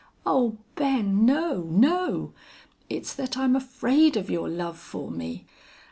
"Oh, Ben! No! No! It's that I'm afraid of your love for me!